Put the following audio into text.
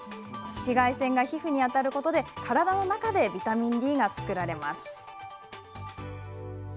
紫外線が皮膚に当たることで体の中でビタミンＤが作られます。